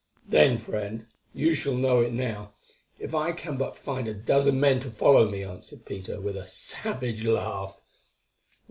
"Then, friend, you shall know it now, if I can but find a dozen men to follow me," answered Peter with a savage laugh.